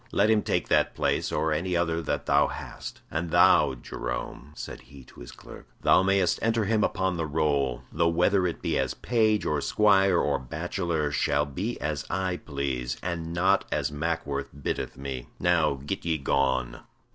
"Let him take that place, or any other that thou hast. And thou, Jerome," said he to his clerk, "thou mayst enter him upon the roll, though whether it be as page or squire or bachelor shall be as I please, and not as Mackworth biddeth me. Now get ye gone."